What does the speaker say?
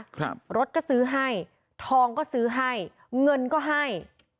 ครับรถก็ซื้อให้ทองก็ซื้อให้เงินก็ให้